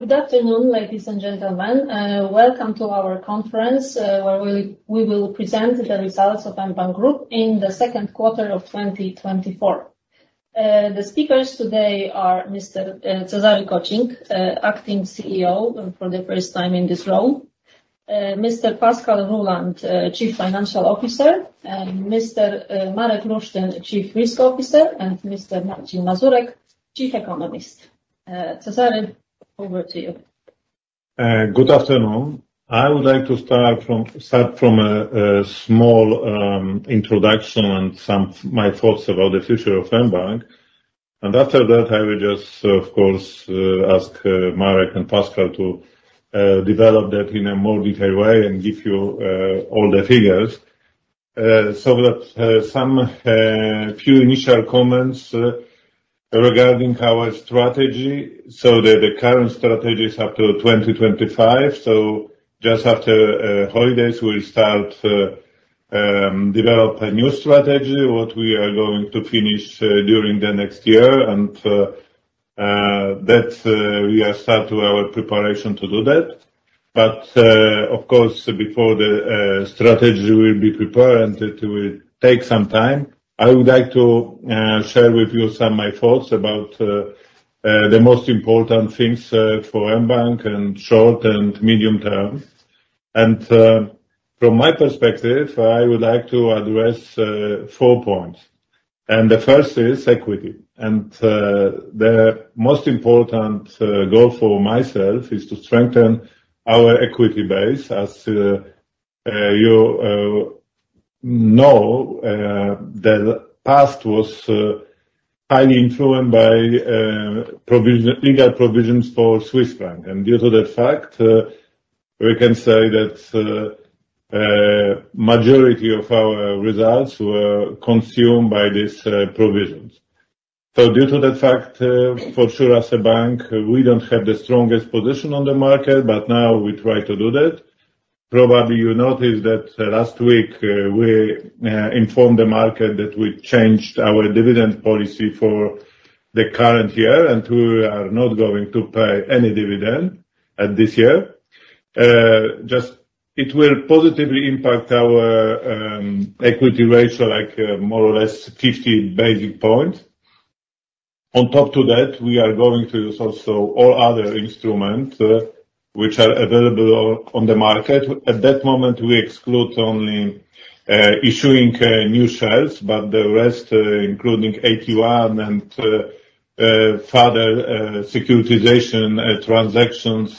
Good afternoon, ladies and gentlemen. Welcome to our conference where we will present the results of mBank Group in the second quarter of 2024. The speakers today are Mr. Cezary Kocik, acting CEO for the first time in this role, Mr. Pascal Ruhland, Chief Financial Officer, Mr. Marek Lusztyn, Chief Risk Officer, and Mr. Marcin Mazurek, Chief Economist. Cezary, over to you. Good afternoon. I would like to start from a small introduction and some of my thoughts about the future of mBank. After that, I will just, of course, ask Marek and Pascal to develop that in a more detailed way and give you all the figures. That's some few initial comments regarding our strategy. The current strategy is up to 2025. Just after holidays, we'll start to develop a new strategy, what we are going to finish during the next year. That's where we start our preparation to do that. Of course, before the strategy will be prepared and it will take some time, I would like to share with you some of my thoughts about the most important things for mBank in short and medium term. From my perspective, I would like to address four points. The first is equity. The most important goal for myself is to strengthen our equity base. As you know, the past was highly influenced by legal provisions for Swiss franc. And due to that fact, we can say that the majority of our results were consumed by these provisions. So due to that fact, for sure, as a bank, we don't have the strongest position on the market, but now we try to do that. Probably you noticed that last week we informed the market that we changed our dividend policy for the current year and we are not going to pay any dividend this year. Just it will positively impact our equity ratio, like more or less 50 basis points. On top of that, we are going to use also all other instruments which are available on the market. At that moment, we exclude only issuing new shares, but the rest, including AT1 and further securitization transactions,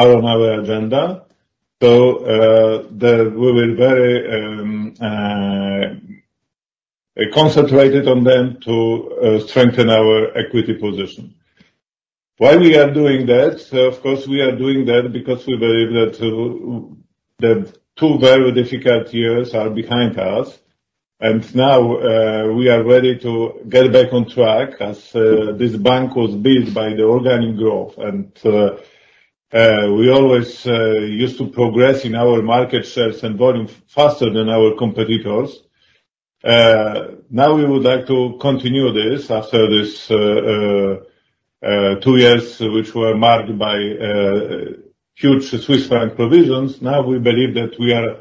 are on our agenda. We will be very concentrated on them to strengthen our equity position. Why we are doing that? Of course, we are doing that because we believe that the two very difficult years are behind us. Now we are ready to get back on track as this bank was built by the organic growth. We always used to progress in our market shares and volume faster than our competitors. Now we would like to continue this after these two years which were marked by huge Swiss franc provisions. Now we believe that we are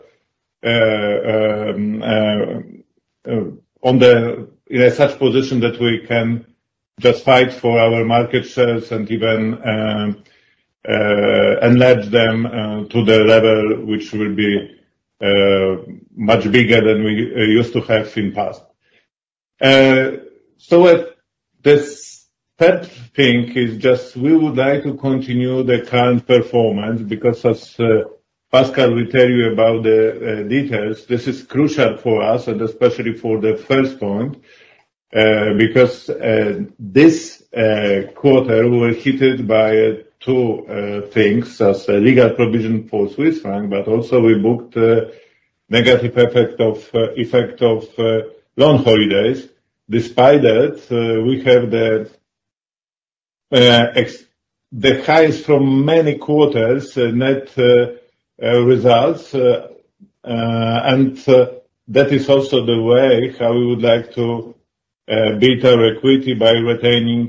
in such a position that we can just fight for our market shares and even enlarge them to the level which will be much bigger than we used to have in the past. So this third thing is just we would like to continue the current performance because, as Pascal will tell you about the details, this is crucial for us, and especially for the first point, because this quarter we were hit by two things, as legal provision for Swiss franc, but also we booked negative effect of loan holidays. Despite that, we have the highest from many quarters net results. And that is also the way how we would like to build our equity by retaining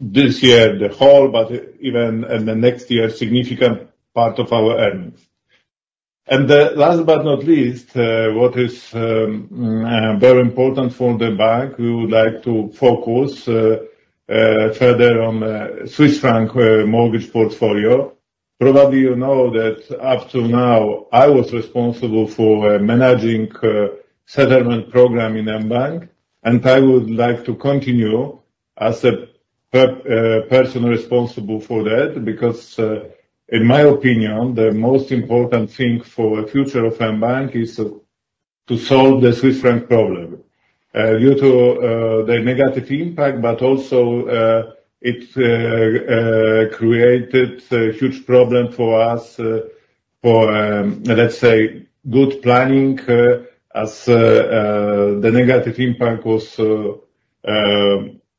this year the whole, but even in the next year, significant part of our earnings. Last but not least, what is very important for the bank, we would like to focus further on the Swiss franc mortgage portfolio. Probably you know that up to now, I was responsible for managing the settlement program in mBank, and I would like to continue as a person responsible for that because, in my opinion, the most important thing for the future of mBank is to solve the Swiss franc problem due to the negative impact, but also it created a huge problem for us for, let's say, good planning, as the negative impact was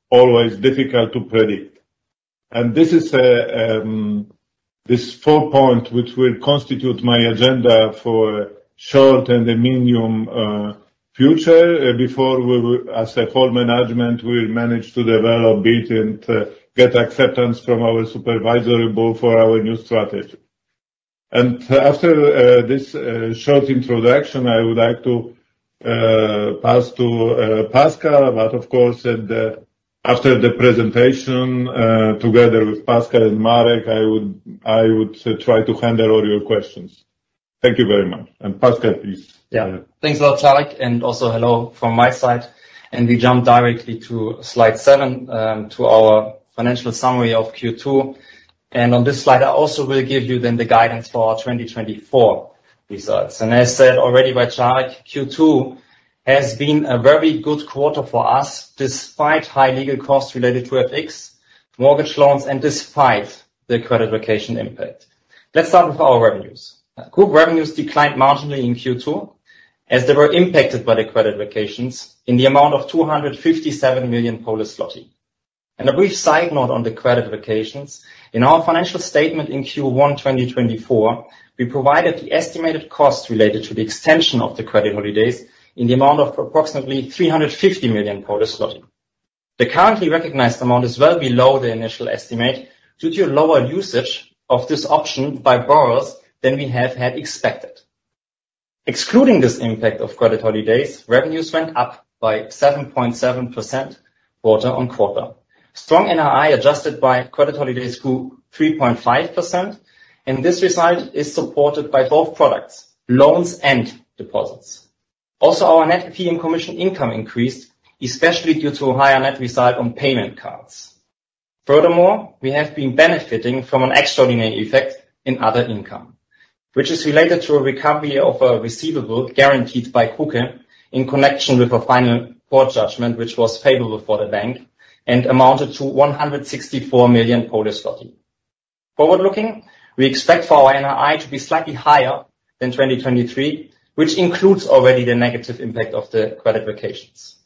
always difficult to predict. And this is this fourth point which will constitute my agenda for short and the medium future before we, as a whole management, will manage to develop it and get acceptance from our supervisory board for our new strategy. And after this short introduction, I would like to pass to Pascal, but of course, after the presentation, together with Pascal and Marek, I would try to handle all your questions. Thank you very much. And Pascal, please. Yeah. Thanks a lot, Cezary. Also hello from my side. We jump directly to slide seven, to our financial summary of Q2. On this slide, I also will give you then the guidance for our 2024 results. As said already by Cezary, Q2 has been a very good quarter for us despite high legal costs related to FX, mortgage loans, and despite the credit holiday impact. Let's start with our revenues. Group revenues declined marginally in Q2 as they were impacted by the credit holidays in the amount of 257 million Polish zloty. A brief side note on the credit holidays. In our financial statement in Q1 2024, we provided the estimated cost related to the extension of the credit holidays in the amount of approximately 350 million. The currently recognized amount is well below the initial estimate due to lower usage of this option by borrowers than we have had expected. Excluding this impact of credit holidays, revenues went up by 7.7% quarter-on-quarter. Strong NII adjusted by credit holidays grew 3.5%. This result is supported by both products, loans and deposits. Also, our net fee and commission income increased, especially due to higher net result on payment cards. Furthermore, we have been benefiting from an extraordinary effect in other income, which is related to a recovery of a receivable guaranteed by KUKE in connection with a final court judgment, which was favorable for the bank and amounted to 164 million. Forward-looking, we expect for our NII to be slightly higher than 2023, which includes already the negative impact of the credit holidays.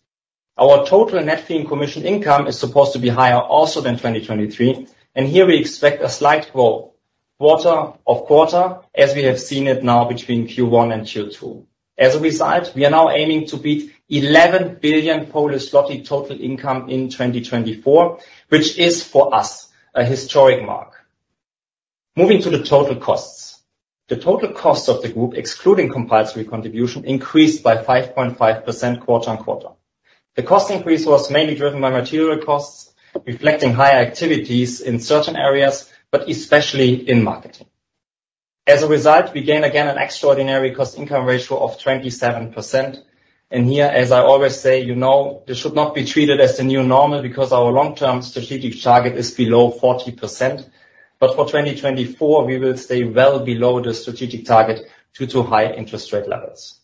Our total net fee and commission income is supposed to be higher also than 2023. And here we expect a slight growth quarter-over-quarter, as we have seen it now between Q1 and Q2. As a result, we are now aiming to beat 11 billion total income in 2024, which is, for us, a historic mark. Moving to the total costs. The total costs of the group, excluding compulsory contribution, increased by 5.5% quarter-over-quarter. The cost increase was mainly driven by material costs, reflecting higher activities in certain areas, but especially in marketing. As a result, we gain again an extraordinary cost-income ratio of 27%. And here, as I always say, you know this should not be treated as the new normal because our long-term strategic target is below 40%. But for 2024, we will stay well below the strategic target due to high interest rate levels.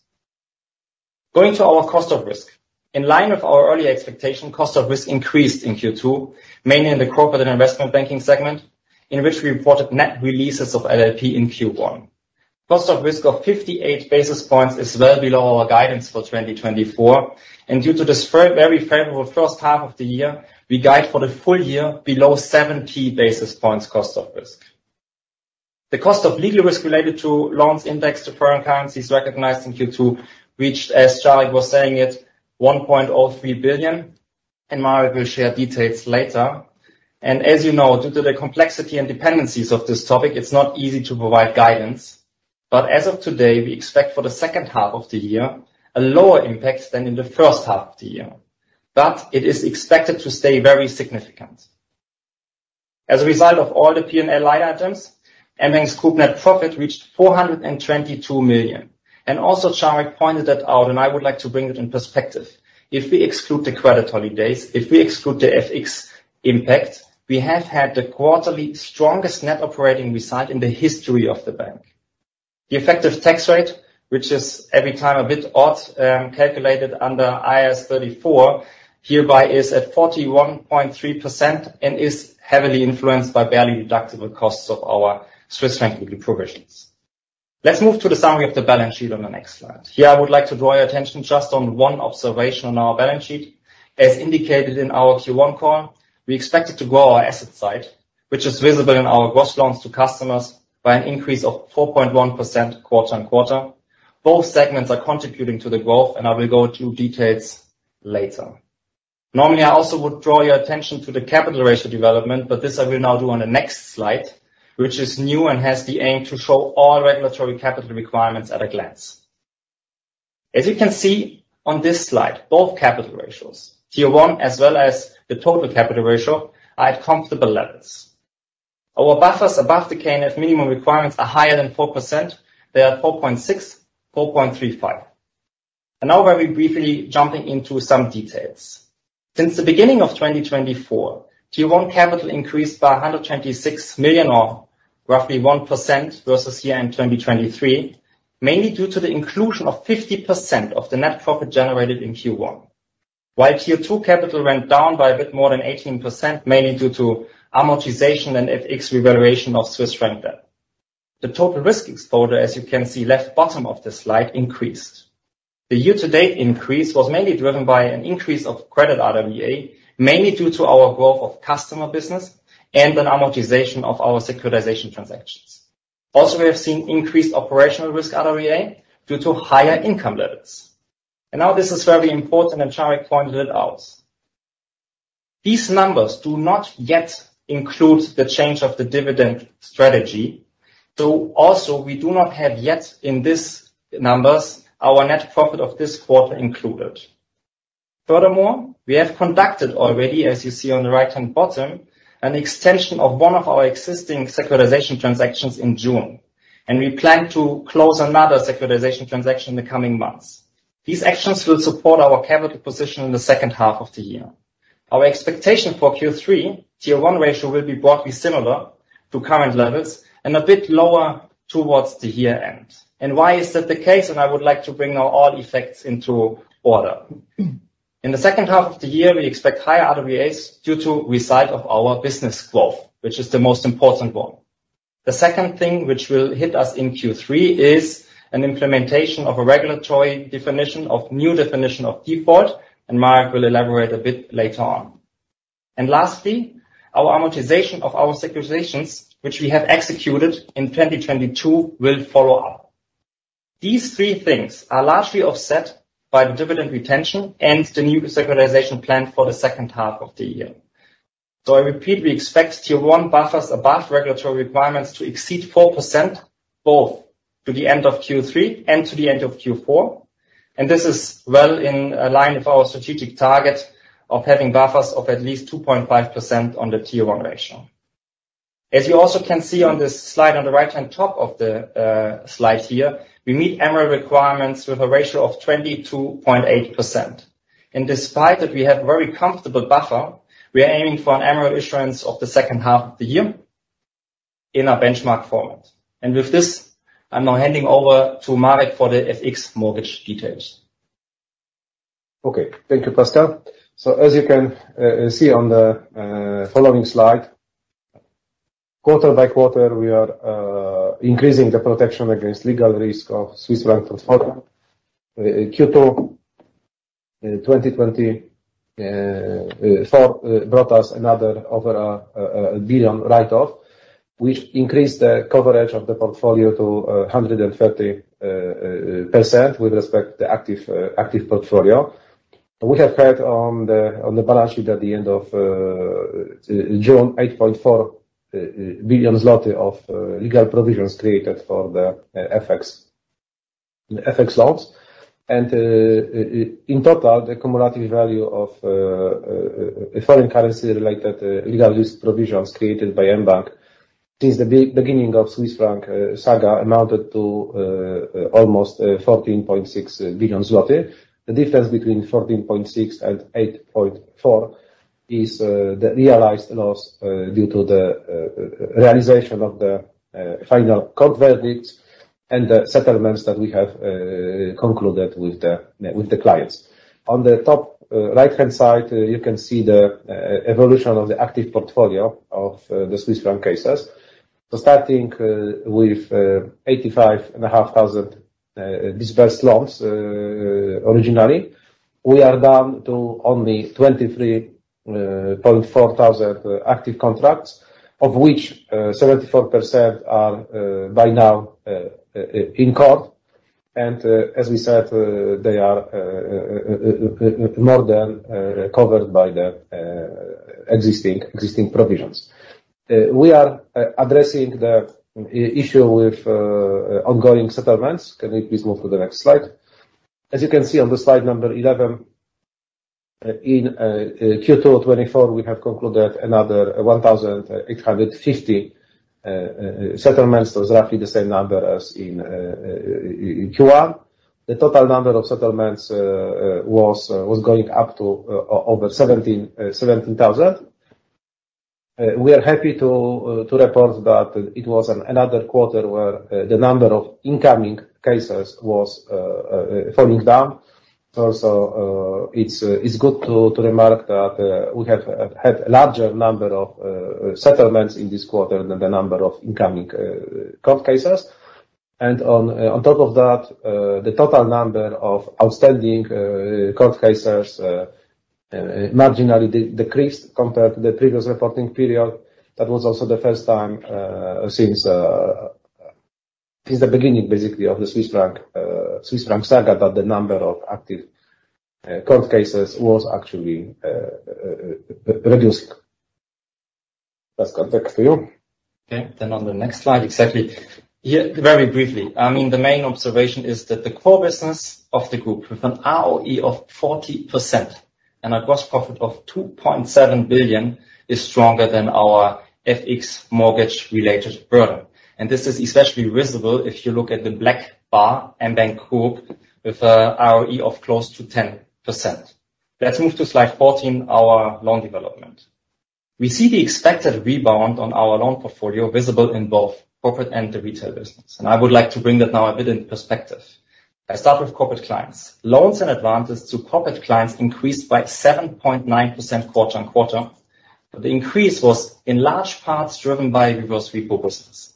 Going to our cost of risk. In line with our early expectation, cost of risk increased in Q2, mainly in the corporate and investment banking segment, in which we reported net releases of LLP in Q1. Cost of risk of 58 basis points is well below our guidance for 2024. And due to this very favorable first half of the year, we guide for the full year below 70 basis points cost of risk. The cost of legal risk related to loans indexed to foreign currencies recognized in Q2 reached, as Cezary was saying it, 1.03 billion. And Marek will share details later. And as you know, due to the complexity and dependencies of this topic, it's not easy to provide guidance. As of today, we expect for the second half of the year a lower impact than in the first half of the year. It is expected to stay very significant. As a result of all the P&L line items, mBank's group net profit reached 422 million. And also, Cezary pointed that out, and I would like to bring it in perspective. If we exclude the credit holidays, if we exclude the FX impact, we have had the quarterly strongest net operating result in the history of the bank. The effective tax rate, which is every time a bit odd, calculated under IAS 34, hereby is at 41.3% and is heavily influenced by barely deductible costs of our Swiss franc equity provisions. Let's move to the summary of the balance sheet on the next slide. Here, I would like to draw your attention just on one observation on our balance sheet. As indicated in our Q1 call, we expected to grow our asset side, which is visible in our gross loans to customers by an increase of 4.1% quarter-over-quarter. Both segments are contributing to the growth, and I will go into details later. Normally, I also would draw your attention to the capital ratio development, but this I will now do on the next slide, which is new and has the aim to show all regulatory capital requirements at a glance. As you can see on this slide, both capital ratios, Tier 1 as well as the total capital ratio, are at comfortable levels. Our buffers above the KNF minimum requirements are higher than 4%. They are 4.6, 4.35. And now, very briefly, jumping into some details. Since the beginning of 2024, Tier 1 capital increased by 126 million or roughly 1% versus year-end 2023, mainly due to the inclusion of 50% of the net profit generated in Q1, while Tier 2 capital went down by a bit more than 18%, mainly due to amortization and FX revaluation of Swiss franc debt. The total risk exposure, as you can see left bottom of the slide, increased. The year-to-date increase was mainly driven by an increase of credit RWA, mainly due to our growth of customer business and an amortization of our securitization transactions. Also, we have seen increased operational risk RWA due to higher income levels. And now, this is very important, and Cezary pointed it out. These numbers do not yet include the change of the dividend strategy. So also, we do not have yet in these numbers our net profit of this quarter included. Furthermore, we have conducted already, as you see on the right-hand bottom, an extension of one of our existing securitization transactions in June. We plan to close another securitization transaction in the coming months. These actions will support our capital position in the second half of the year. Our expectation for Q3, Tier 1 ratio will be broadly similar to current levels and a bit lower towards the year-end. Why is that the case? I would like to bring now all effects into order. In the second half of the year, we expect higher RWAs due to the result of our business growth, which is the most important one. The second thing which will hit us in Q3 is an implementation of a regulatory definition of new definition of default, and Marek will elaborate a bit later on. Lastly, our amortization of our securitizations, which we have executed in 2022, will follow up. These three things are largely offset by the dividend retention and the new securitization plan for the second half of the year. I repeat, we expect Tier 1 buffers above regulatory requirements to exceed 4% both to the end of Q3 and to the end of Q4. This is well in line with our strategic target of having buffers of at least 2.5% on the Tier 1 ratio. As you also can see on this slide on the right-hand top of the slide here, we meet MREL requirements with a ratio of 22.8%. Despite that, we have a very comfortable buffer. We are aiming for an MREL issuance of the second half of the year in our benchmark format. With this, I'm now handing over to Mazurek for the FX mortgage details. Okay. Thank you, Pascal. So as you can see on the following slide, quarter by quarter, we are increasing the protection against legal risk of Swiss franc transfer. Q2 2024 brought us another over 1 billion write-off, which increased the coverage of the portfolio to 130% with respect to the active portfolio. We have had on the balance sheet at the end of June, 8.4 billion zloty of legal provisions created for the FX loans. And in total, the cumulative value of foreign currency-related legal risk provisions created by mBank since the beginning of Swiss franc saga amounted to almost 14.6 billion zloty. The difference between 14.6 and 8.4 is the realized loss due to the realization of the final court verdicts and the settlements that we have concluded with the clients. On the top right-hand side, you can see the evolution of the active portfolio of the Swiss franc cases. So starting with 85,500 disbursed loans originally, we are down to only 23,400 active contracts, of which 74% are by now in court. As we said, they are more than covered by the existing provisions. We are addressing the issue with ongoing settlements. Can we please move to the next slide? As you can see on the slide number 11, in Q2 2024, we have concluded another 1,850 settlements. That was roughly the same number as in Q1. The total number of settlements was going up to over 17,000. We are happy to report that it was another quarter where the number of incoming cases was falling down. It's good to remark that we have had a larger number of settlements in this quarter than the number of incoming court cases. On top of that, the total number of outstanding court cases marginally decreased compared to the previous reporting period. That was also the first time since the beginning, basically, of the Swiss franc saga that the number of active court cases was actually reduced. That's context for you. Okay. Then on the next slide, exactly. Yeah, very briefly. I mean, the main observation is that the core business of the group, with an ROE of 40% and a gross profit of 2.7 billion, is stronger than our FX mortgage-related burden. And this is especially visible if you look at the black bar, mBank Group, with an ROE of close to 10%. Let's move to slide 14, our loan development. We see the expected rebound on our loan portfolio visible in both corporate and the retail business. And I would like to bring that now a bit into perspective. I start with corporate clients. Loans and advances to corporate clients increased by 7.9% quarter-on-quarter. But the increase was in large parts driven by reverse repo business.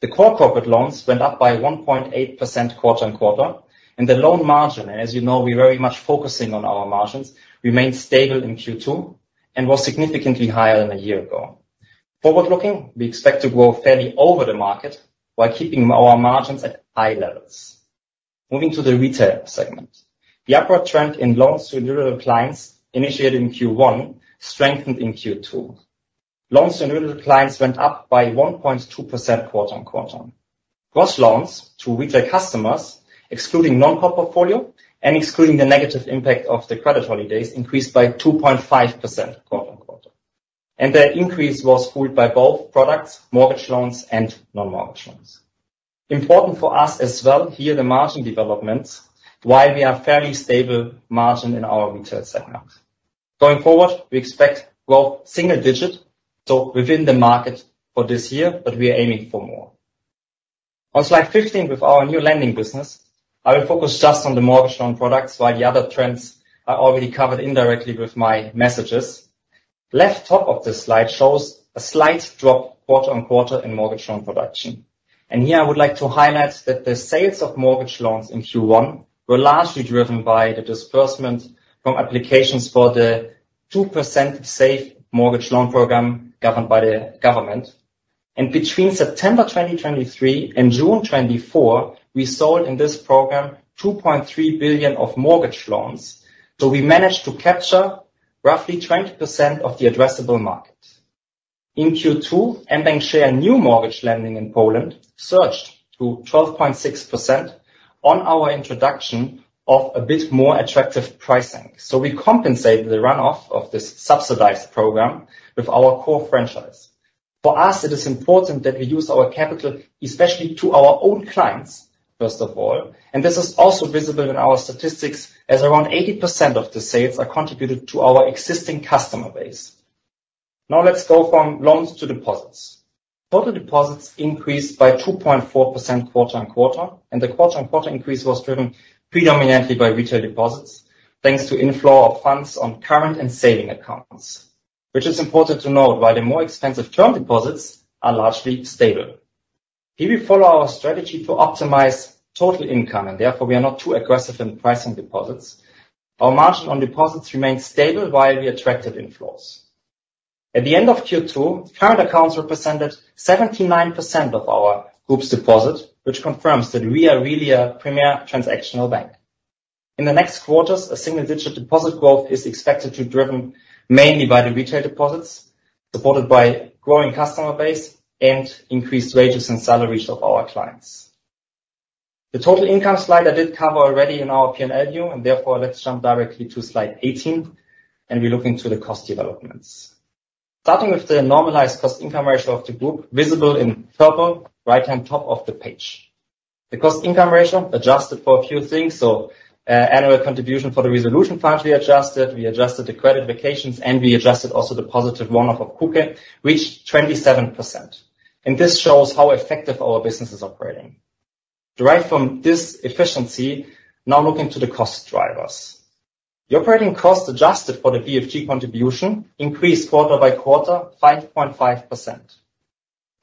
The core corporate loans went up by 1.8% quarter-on-quarter. The loan margin, and as you know, we're very much focusing on our margins, remained stable in Q2 and was significantly higher than a year ago. Forward-looking, we expect to grow fairly over the market while keeping our margins at high levels. Moving to the retail segment. The upward trend in loans to individual clients initiated in Q1 strengthened in Q2. Loans to individual clients went up by 1.2% quarter-on-quarter. Gross loans to retail customers, excluding non-core portfolio and excluding the negative impact of the credit holidays, increased by 2.5% quarter-on-quarter. The increase was fueled by both products, mortgage loans, and non-mortgage loans. Important for us as well, here, the margin developments, while we have a fairly stable margin in our retail segment. Going forward, we expect growth single-digit, so within the market for this year, but we are aiming for more. On slide 15, with our new lending business, I will focus just on the mortgage loan products, while the other trends are already covered indirectly with my messages. The left top of the slide shows a slight drop quarter-on-quarter in mortgage loan production. Here, I would like to highlight that the sales of mortgage loans in Q1 were largely driven by the disbursement from applications for the 2% Safe mortgage loan program governed by the government. Between September 2023 and June 2024, we sold in this program 2.3 billion of mortgage loans. We managed to capture roughly 20% of the addressable market. In Q2, mBank's share in new mortgage lending in Poland surged to 12.6% on our introduction of a bit more attractive pricing. We compensated the runoff of this subsidized program with our core franchise. For us, it is important that we use our capital, especially to our own clients, first of all. This is also visible in our statistics as around 80% of the sales are contributed to our existing customer base. Now, let's go from loans to deposits. Total deposits increased by 2.4% quarter-on-quarter. The quarter-on-quarter increase was driven predominantly by retail deposits, thanks to inflow of funds on current and savings accounts, which is important to note, while the more expensive term deposits are largely stable. Here we follow our strategy to optimize total income, and therefore, we are not too aggressive in pricing deposits. Our margin on deposits remained stable while we attracted inflows. At the end of Q2, current accounts represented 79% of our group's deposits, which confirms that we are really a premier transactional bank. In the next quarters, a single-digit deposit growth is expected to be driven mainly by the retail deposits, supported by growing customer base and increased wages and salaries of our clients. The total income slide I did cover already in our P&L view, and therefore, let's jump directly to slide 18, and we look into the cost developments. Starting with the normalized cost income ratio of the group, visible in purple, right-hand top of the page. The cost income ratio adjusted for a few things. So annual contribution for the resolution fund, we adjusted. We adjusted the credit vacations, and we adjusted also the positive one-off of KUKE, reached 27%. And this shows how effective our business is operating. Derived from this efficiency, now looking to the cost drivers. The operating cost adjusted for the BFG contribution increased quarter by quarter 5.5%.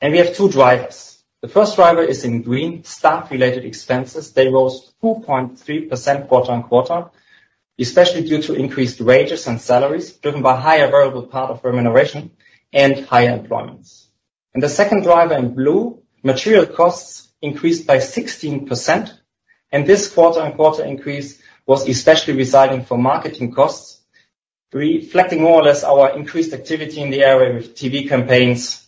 And we have two drivers. The first driver is in green, staff-related expenses. They rose 2.3% quarter-on-quarter, especially due to increased wages and salaries driven by higher variable part of remuneration and higher employment. The second driver in blue, material costs increased by 16%. This quarter-on-quarter increase was especially arising for marketing costs, reflecting more or less our increased activity in the area with TV campaigns.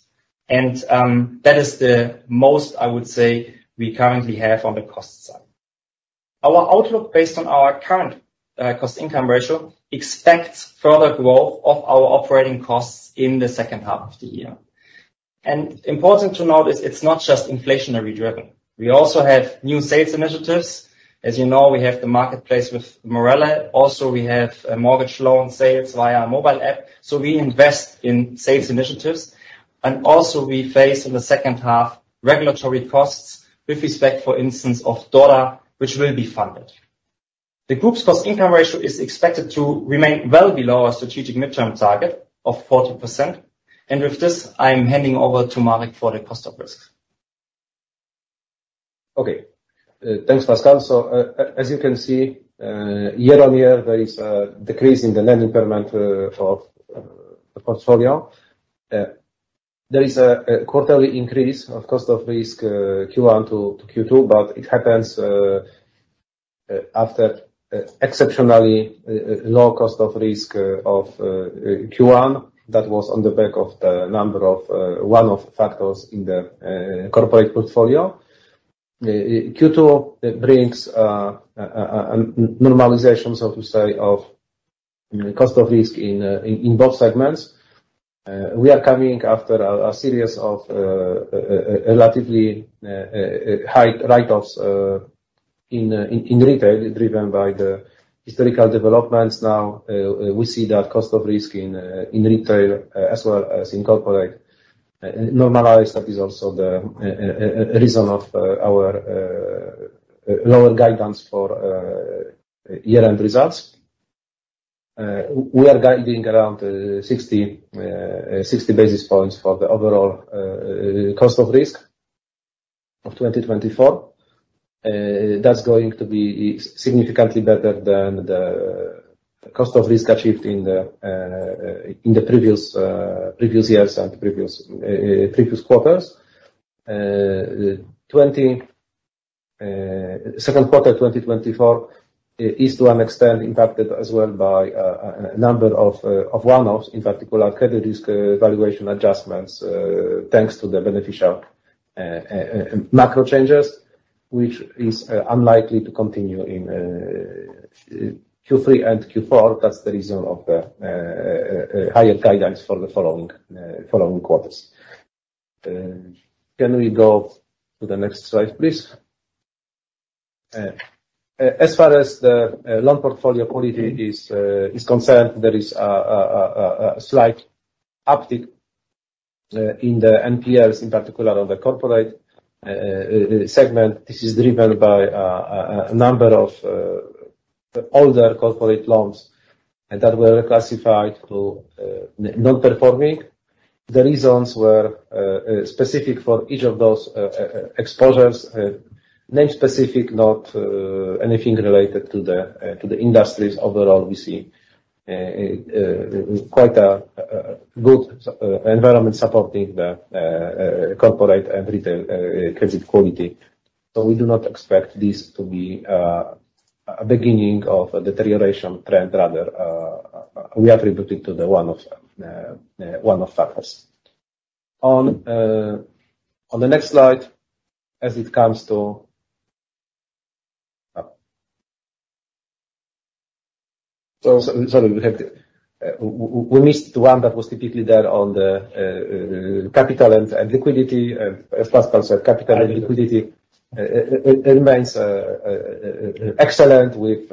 That is the most, I would say, we currently have on the cost side. Our outlook based on our current cost-income ratio expects further growth of our operating costs in the second half of the year. Important to note is it's not just inflation-driven. We also have new sales initiatives. As you know, we have the marketplace with Morele. Also, we have mortgage loan sales via mobile app. So we invest in sales initiatives. Also, we face in the second half regulatory costs with respect, for instance, of DORA, which will be funded. The group's cost-income ratio is expected to remain well below our strategic midterm target of 40%. With this, I'm handing over to Marek for the cost of risk. Okay. Thanks, Pascal. So as you can see, year-on-year, there is a decrease in the lending component of the portfolio. There is a quarter-over-quarter increase of cost of risk Q1 to Q2, but it happens after exceptionally low cost of risk of Q1. That was on the back of a number of one-off factors in the corporate portfolio. Q2 brings a normalization, so to say, of cost of risk in both segments. We are coming after a series of relatively high write-offs in retail driven by the historical developments. Now, we see that cost of risk in retail as well as in corporate normalized. That is also the reason of our lower guidance for year-end results. We are guiding around 60 basis points for the overall cost of risk of 2024. That's going to be significantly better than the cost of risk achieved in the previous years and previous quarters. Second quarter 2024 is, to an extent, impacted as well by a number of one-offs, in particular, credit risk evaluation adjustments thanks to the beneficial macro changes, which is unlikely to continue in Q3 and Q4. That's the reason of the higher guidance for the following quarters. Can we go to the next slide, please? As far as the loan portfolio quality is concerned, there is a slight uptick in the NPLs, in particular, on the corporate segment. This is driven by a number of older corporate loans that were classified to non-performing. The reasons were specific for each of those exposures. Name-specific, not anything related to the industries. Overall, we see quite a good environment supporting the corporate and retail credit quality. So we do not expect this to be a beginning of a deterioration trend, rather. We attribute it to one of the factors. On the next slide, as it comes to—sorry, we missed the one that was typically there on the capital and liquidity. As Pascal said, capital and liquidity remains excellent with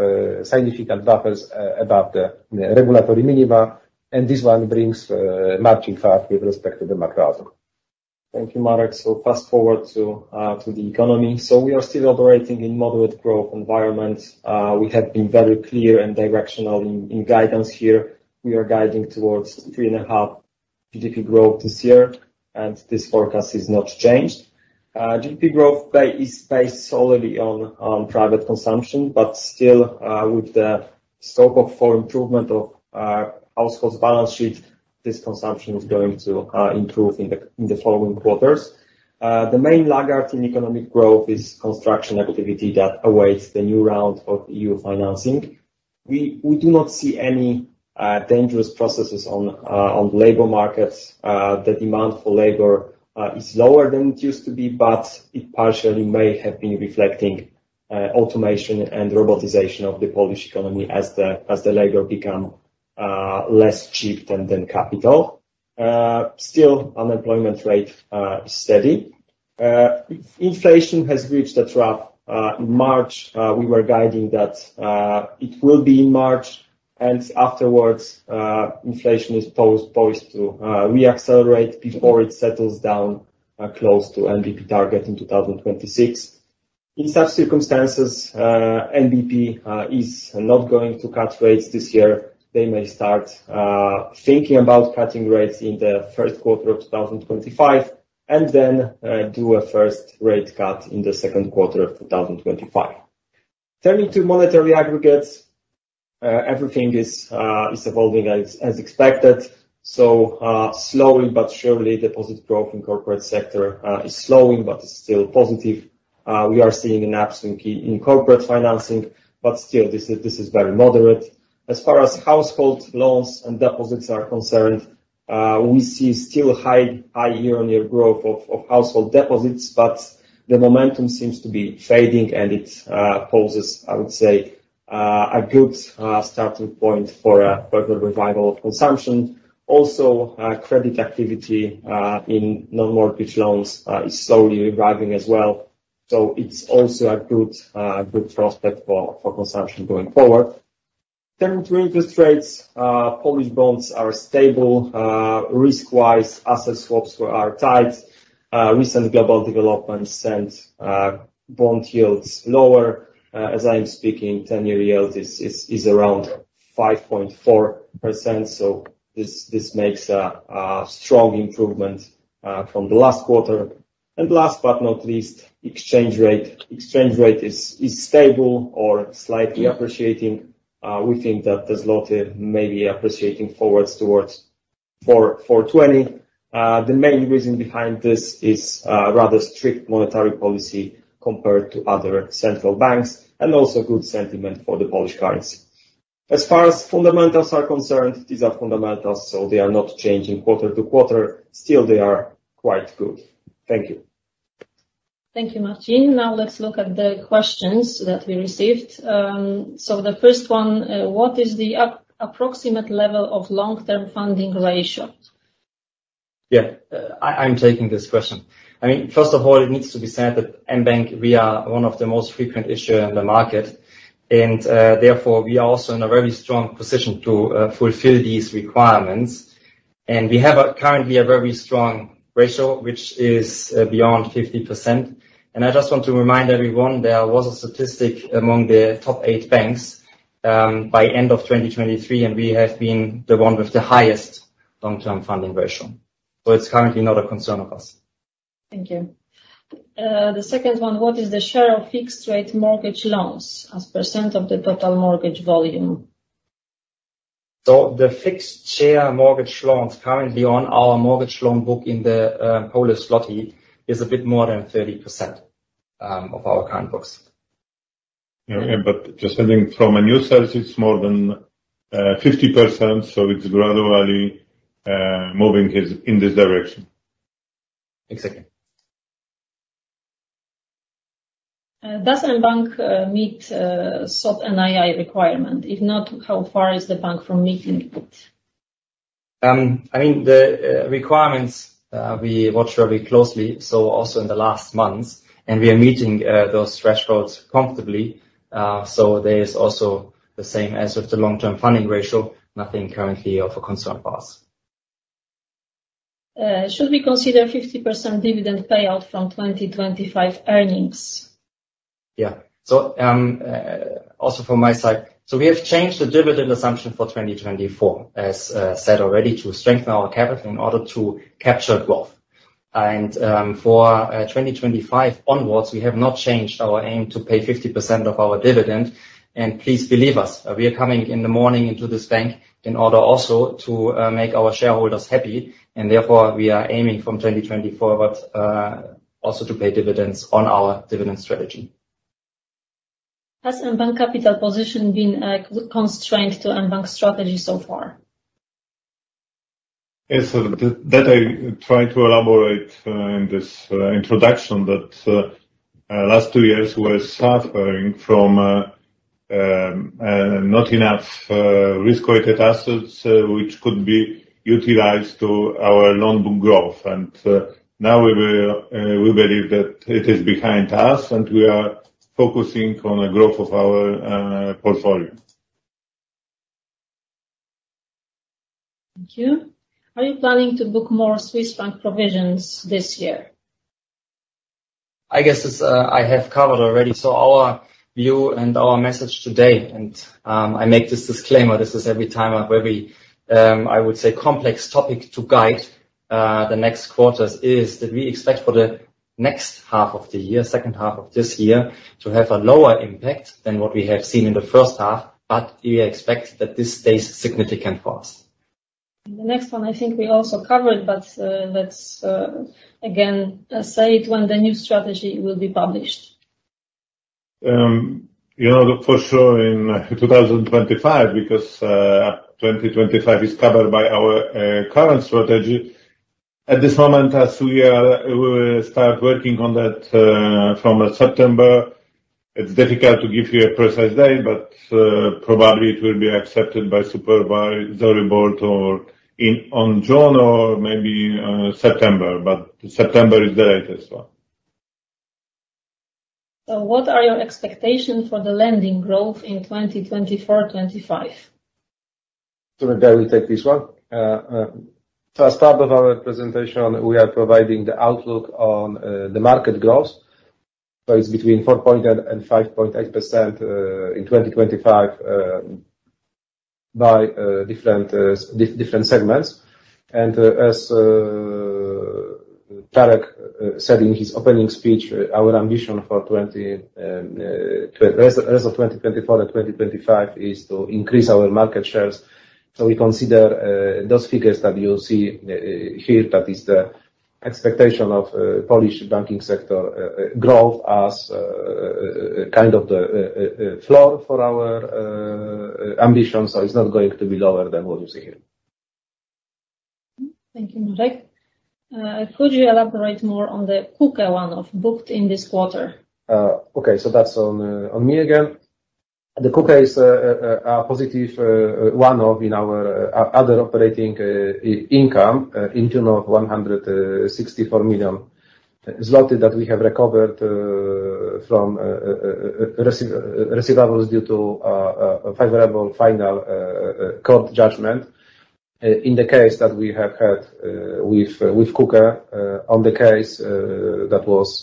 significant buffers above the regulatory minima. And this one brings marching fast with respect to the macro outlook. Thank you, Marek. So fast forward to the economy. So we are still operating in moderate growth environments. We have been very clear and directional in guidance here. We are guiding towards 3.5% GDP growth this year, and this forecast is not changed. GDP growth is based solely on private consumption, but still, with the scope for improvement of households' balance sheets, this consumption is going to improve in the following quarters. The main laggard in economic growth is construction activity that awaits the new round of EU financing. We do not see any dangerous processes on the labor market. The demand for labor is lower than it used to be, but it partially may have been reflecting automation and robotization of the Polish economy as the labor becomes less cheap than capital. Still, unemployment rate is steady. Inflation has reached a trough in March. We were guiding that it will be in March. Afterwards, inflation is poised to reaccelerate before it settles down close to NBP target in 2026. In such circumstances, NBP is not going to cut rates this year. They may start thinking about cutting rates in the first quarter of 2025 and then do a first rate cut in the second quarter of 2025. Turning to monetary aggregates, everything is evolving as expected. So slowly but surely, deposit growth in the corporate sector is slowing but is still positive. We are seeing an upswing in corporate financing, but still, this is very moderate. As far as household loans and deposits are concerned, we see still high year-on-year growth of household deposits, but the momentum seems to be fading, and it poses, I would say, a good starting point for a further revival of consumption. Also, credit activity in non-mortgage loans is slowly reviving as well. So it's also a good prospect for consumption going forward. Turning to interest rates, Polish bonds are stable. Risk-wise, asset swaps are tight. Recent global developments sent bond yields lower. As I am speaking, 10-year yield is around 5.4%. So this makes a strong improvement from the last quarter. And last but not least, exchange rate. Exchange rate is stable or slightly appreciating. We think that the złoty may be appreciating forwards towards 420. The main reason behind this is rather strict monetary policy compared to other central banks and also good sentiment for the Polish currency. As far as fundamentals are concerned, these are fundamentals, so they are not changing quarter to quarter. Still, they are quite good. Thank you. Thank you, Marcin. Now, let's look at the questions that we received. So the first one, what is the approximate level of long-term funding ratio? Yeah. I'm taking this question. I mean, first of all, it needs to be said that mBank, we are one of the most frequent issuers in the market. Therefore, we are also in a very strong position to fulfill these requirements. We have currently a very strong ratio, which is beyond 50%. I just want to remind everyone, there was a statistic among the top eight banks by the end of 2023, and we have been the one with the highest long-term funding ratio. It's currently not a concern of us. Thank you. The second one, what is the share of fixed-rate mortgage loans as percent of the total mortgage volume? The fixed-share mortgage loans currently on our mortgage loan book in the Polish zloty is a bit more than 30% of our current books. But just adding from a new source, it's more than 50%. So it's gradually moving in this direction. Exactly. Does the bank meet SOP and II requirement? If not, how far is the bank from meeting it? I mean, the requirements we watch very closely, so also in the last months, and we are meeting those thresholds comfortably. So there is also the same as with the long-term funding ratio. Nothing currently of a concern for us. Should we consider 50% dividend payout from 2025 earnings? Yeah. So also from my side, so we have changed the dividend assumption for 2024, as said already, to strengthen our capital in order to capture growth. And for 2025 onwards, we have not changed our aim to pay 50% of our dividend. And please believe us, we are coming in the morning into this bank in order also to make our shareholders happy. And therefore, we are aiming from 2024 also to pay dividends on our dividend strategy. Has mBank capital position been constrained to mBank strategy so far? Yes. That I tried to elaborate in this introduction that last two years were suffering from not enough risk-weighted assets, which could be utilized to our loan book growth. And now we believe that it is behind us, and we are focusing on the growth of our portfolio. Thank you. Are you planning to book more Swiss franc provisions this year? I guess I have covered already. So our view and our message today, and I make this disclaimer, this is every time a very, I would say, complex topic to guide the next quarters, is that we expect for the next half of the year, second half of this year, to have a lower impact than what we have seen in the first half. But we expect that this stays significant for us. The next one, I think we also covered, but let's again say it when the new strategy will be published. For sure, in 2025, because 2025 is covered by our current strategy. At this moment, as we start working on that from September, it's difficult to give you a precise date, but probably it will be accepted by Supervisory Board on June or maybe September. But September is the latest one. What are your expectations for the lending growth in 2024-25? So maybe I will take this one. First half of our presentation, we are providing the outlook on the market growth. So it's between 4.8% and 5.8% in 2025 by different segments. And as Czarek said in his opening speech, our ambition for the rest of 2024 and 2025 is to increase our market shares. So we consider those figures that you see here, that is the expectation of Polish banking sector growth as kind of the floor for our ambition. So it's not going to be lower than what you see here. Thank you, Mazurek. Could you elaborate more on the KUKE one-off booked in this quarter? Okay. So that's on me again. The KUKE is a positive one-off in our other operating income in June of 164 million zloty that we have recovered from receivables due to favorable final court judgment in the case that we have had with KUKE on the case that was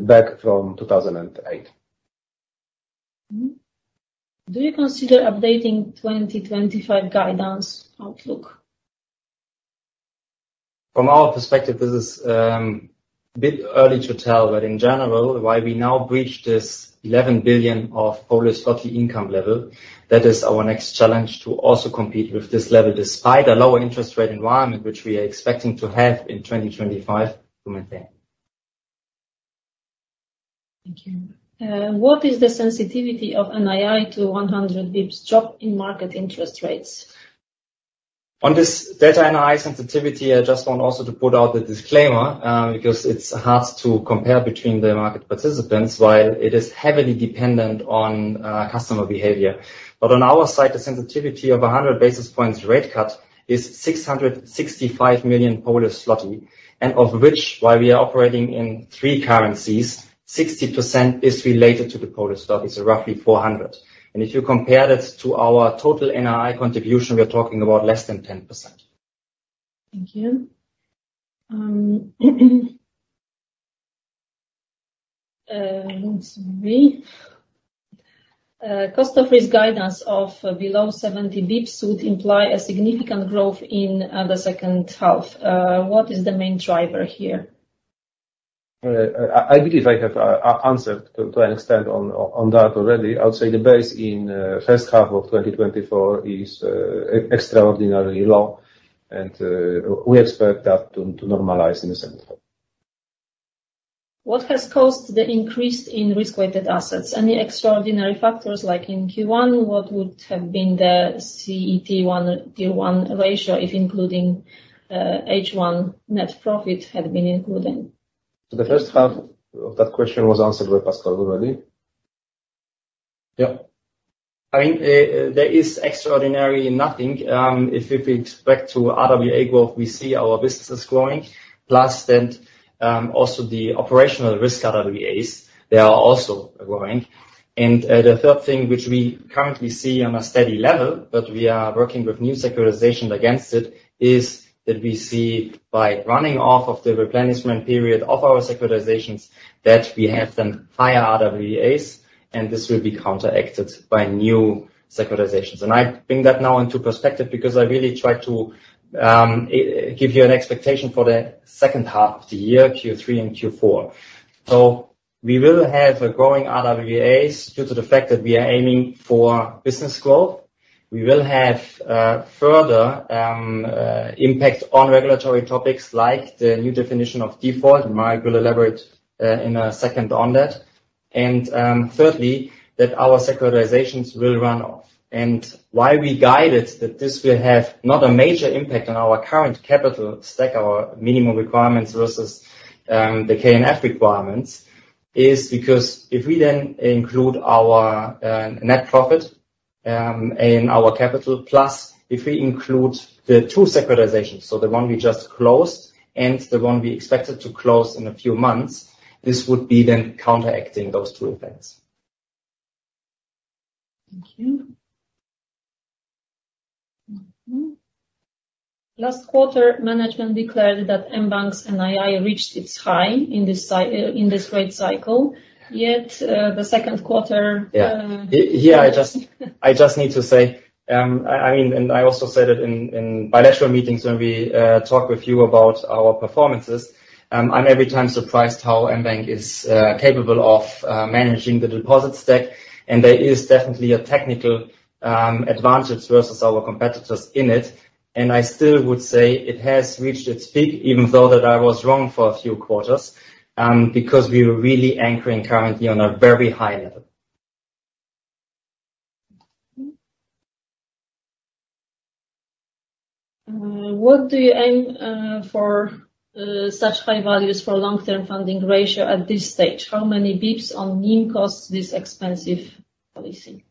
back from 2008. Do you consider updating 2025 guidance outlook? From our perspective, it is a bit early to tell, but in general, why we now breach this 11 billion income level. That is our next challenge to also compete with this level despite a lower interest rate environment, which we are expecting to have in 2025 to maintain. Thank you. What is the sensitivity of NII to 100 basis points drop in market interest rates? On this data and NII sensitivity, I just want also to put out the disclaimer because it's hard to compare between the market participants, while it is heavily dependent on customer behavior. But on our side, the sensitivity of 100 basis points rate cut is 665 million. And of which, while we are operating in three currencies, 60% is related to the Polish zloty, so roughly 400 million. And if you compare that to our total NII contribution, we are talking about less than 10%. Thank you. Cost of Risk guidance of below 70 basis points would imply a significant growth in the second half. What is the main driver here? I believe I have answered to an extent on that already. I would say the base in the first half of 2024 is extraordinarily low, and we expect that to normalize in the second half. What has caused the increase in risk-weighted assets? Any extraordinary factors like in Q1? What would have been the CET1 tier 1 ratio if including H1 net profit had been included? So the first half of that question was answered by Pascal already. Yeah. I mean, there is extraordinary nothing. If we expect to RWA growth, we see our businesses growing. Plus, then also the operational risk RWAs, they are also growing. And the third thing, which we currently see on a steady level, but we are working with new securitization against it, is that we see by running off of the replenishment period of our securitizations that we have some higher RWAs, and this will be counteracted by new securitizations. And I bring that now into perspective because I really tried to give you an expectation for the second half of the year, Q3 and Q4. So we will have growing RWAs due to the fact that we are aiming for business growth. We will have further impact on regulatory topics like the new definition of default. Mark will elaborate in a second on that. And thirdly, that our securitizations will run off. And why we guided that this will have not a major impact on our current capital stack, our minimum requirements versus the KNF requirements, is because if we then include our net profit in our capital, plus if we include the two securitizations, so the one we just closed and the one we expected to close in a few months, this would be then counteracting those two effects. Thank you. Last quarter, management declared that mBank's NII reached its high in this rate cycle. Yet the second quarter. Yeah, I just need to say, I mean, and I also said it in bilateral meetings when we talk with you about our performances. I'm every time surprised how mBank is capable of managing the deposit stack. There is definitely a technical advantage versus our competitors in it. I still would say it has reached its peak, even though that I was wrong for a few quarters, because we were really anchoring currently on a very high level. What do you aim for such high values for long-term funding ratio at this stage? How many basis points on NIM costs this expensive policy?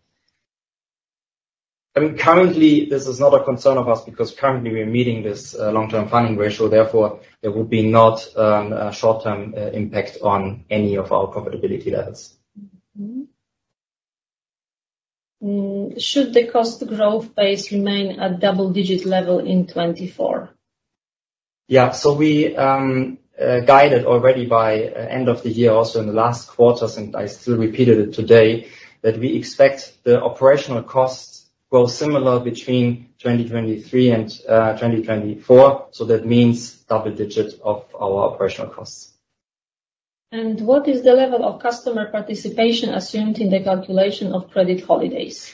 Currently, this is not a concern of us because currently we are meeting this long-term funding ratio. Therefore, there would be not a short-term impact on any of our profitability levels. Should the cost growth base remain at double-digit level in 2024? Yeah. So we guided already by end of the year, also in the last quarters, and I still repeated it today, that we expect the operational costs grow similar between 2023 and 2024. So that means double-digit of our operational costs. What is the level of customer participation assumed in the calculation of credit holidays?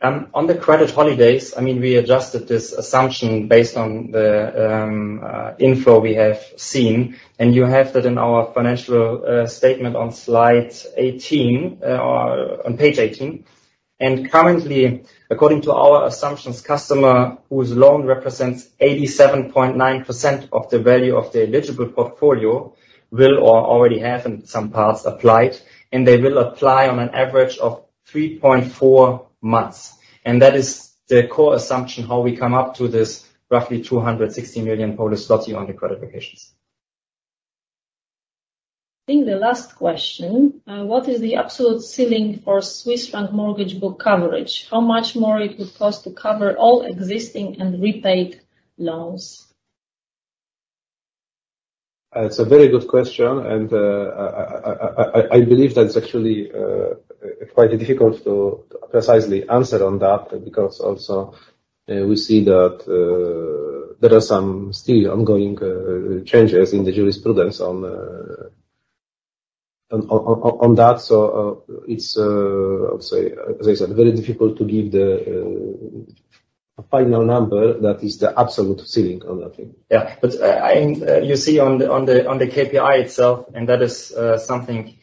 On the credit holidays, I mean, we adjusted this assumption based on the info we have seen. You have that in our financial statement on slide 18, on page 18. Currently, according to our assumptions, customer whose loan represents 87.9% of the value of the eligible portfolio will already have in some parts applied. They will apply on an average of 3.4 months. That is the core assumption how we come up to this roughly 260 million Polish zloty on the credit holidays. I think the last question, what is the absolute ceiling for Swiss franc mortgage book coverage? How much more it would cost to cover all existing and repaid loans? It's a very good question. I believe that it's actually quite difficult to precisely answer on that because also we see that there are some still ongoing changes in the jurisprudence on that. It's, I would say, as I said, very difficult to give the final number that is the absolute ceiling on that thing. Yeah. But you see on the KPI itself, and that is something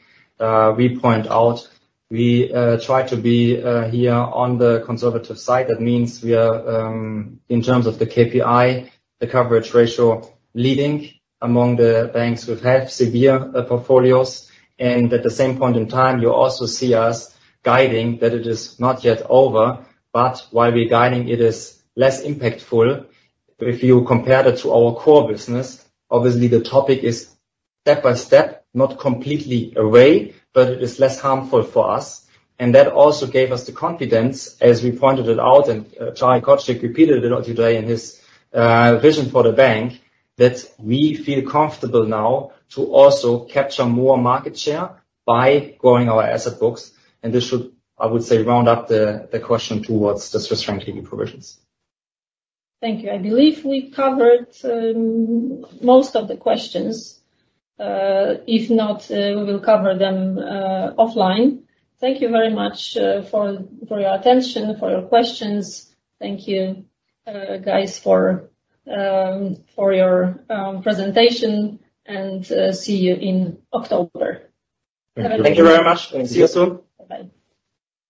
we point out, we try to be here on the conservative side. That means we are, in terms of the KPI, the coverage ratio leading among the banks who have severe portfolios. And at the same point in time, you also see us guiding that it is not yet over. But while we're guiding, it is less impactful. If you compare that to our core business, obviously the topic is step by step, not completely away, but it is less harmful for us. And that also gave us the confidence, as we pointed it out, and Cezary Kocik repeated it today in his vision for the bank, that we feel comfortable now to also capture more market share by growing our asset books. This should, I would say, round up the question towards the Swiss franc provisions. Thank you. I believe we covered most of the questions. If not, we will cover them offline. Thank you very much for your attention, for your questions. Thank you, guys, for your presentation, and see you in October. Thank you very much. See you soon. Bye-bye.